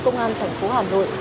công an thành phố hà nội